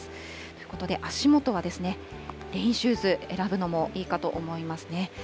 ということで、足元はレインシューズ選ぶのもいいかと思いますね。